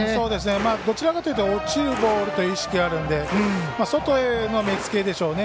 どちらかというと落ちるボールという意識があるので外への目付けでしょうね。